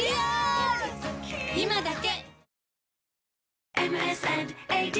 今だけ！